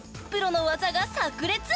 ［プロの技が炸裂！］